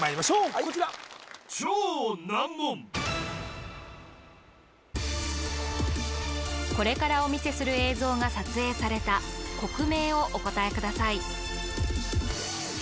こちらこれからお見せする映像が撮影された国名をお答えください